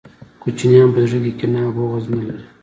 کوچنیان په زړه کي کینه او بغض نلري